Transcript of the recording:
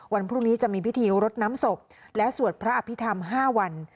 วันพรุ่งนี้จะมีพิธีรดน้ำศพและสวดพระอภิษฐรรม๕วัน